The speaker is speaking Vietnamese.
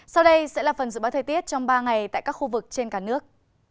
sau đây sẽ là phần dự báo thời tiết trong ba ngày tại các khu vực trên cả nước